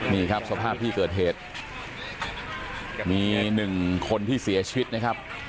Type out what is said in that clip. นี่ครับสภาพที่เกิดเหตุมีหนึ่งคนที่เสียชีวิตนะครับ